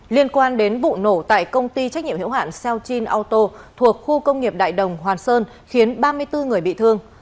liên quan đến vụ nổ tại công ty trách nhiệm hiệu hạn seochin auto thuộc khu công nghiệp đại đồng hoàn sơn khiến ba mươi bốn người bị thương